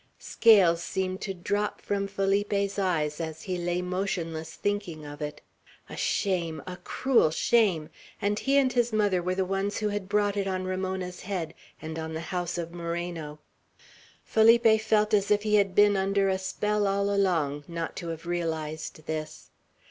Scales seemed to drop from Felipe's eyes as he lay motionless, thinking of it. A shame! a cruel shame! And he and his mother were the ones who had brought it on Ramona's head, and on the house of Moreno. Felipe felt as if he had been under a spell all along, not to have realized this.